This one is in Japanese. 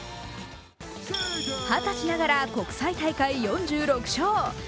二十歳ながら国際大会４６勝。